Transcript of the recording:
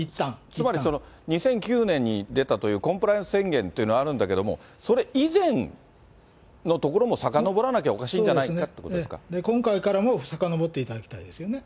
つまり２００９年に出たというコンプライアンス宣言というものがあるんだけども、それ以前のところもさかのぼらなきゃおかしいんじゃないかという今回からもさかのぼっていただきたいですよね。